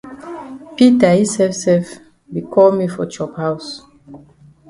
Peter yi sef sef be call me for chop haus.